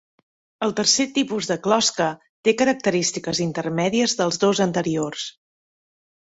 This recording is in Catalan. El tercer tipus de closca té característiques intermèdies dels dos anteriors.